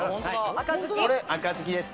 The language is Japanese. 赤好きです。